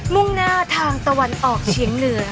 มุ่งหน้าทางตะวันออกเฉียงเหนือ